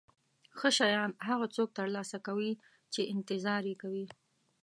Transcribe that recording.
ښه شیان هغه څوک ترلاسه کوي چې انتظار کوي.